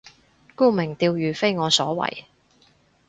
沽名釣譽非我所為